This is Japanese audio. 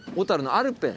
アルペン